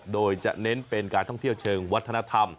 โดยจะเน้นเป็นการท่องเที่ยวเชิงวัฒนธรรม